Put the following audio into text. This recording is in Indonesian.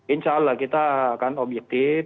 insya allah kita akan objektif